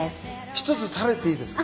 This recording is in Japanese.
１つ食べていいですか？